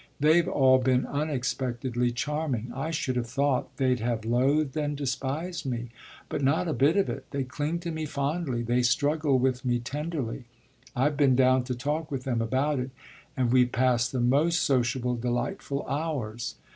They've all been unexpectedly charming. I should have thought they'd have loathed and despised me. But not a bit of it; they cling to me fondly they struggle with me tenderly. I've been down to talk with them about it, and we've passed the most sociable, delightful hours.